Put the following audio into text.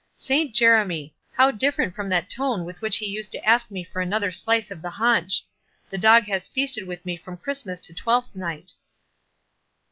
—Saint Jeremy! how different from that tone with which he used to ask me for another slice of the haunch!—the dog has feasted with me from Christmas to Twelfth night."